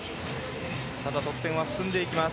ただ、得点は進んでいきます。